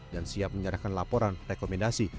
dan siap menyerahkan laporan rekomendasi